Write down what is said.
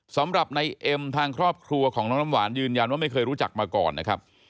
สำหรับในเอ็มทางครอบครัวของน้องน้ำหวานยืนยันว่าไม่เคยรู้จักมาก่อนนะครับ